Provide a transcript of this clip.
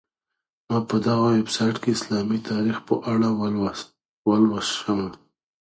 ما په دغه ویبسایټ کي د اسلامي تاریخ په اړه ولوسهمېشه.